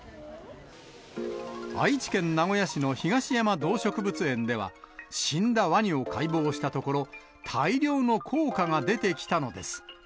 愛知県名古屋市の東山動植物園では、死んだワニを解剖したところ、大量の硬貨が出てきたのです。